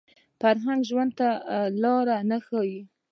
فرهنګ ژوند ته لاره نه ښيي